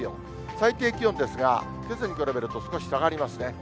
最低気温ですがけさに比べると少し下がりますね。